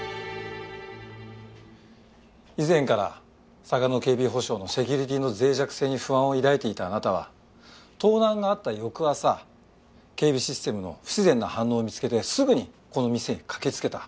以前からサガノ警備保障のセキュリティーの脆弱性に不安を抱いていたあなたは盗難があった翌朝警備システムの不自然な反応を見つけてすぐにこの店に駆けつけた。